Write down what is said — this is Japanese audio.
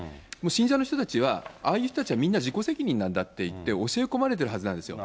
信者の人たちは、ああいう人たちはみんな自己責任だといって教え込まれてるはずなんですよ。